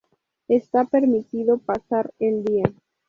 Está permitido pasar el día.